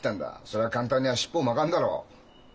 そりゃ簡単には尻尾を巻かんだろ。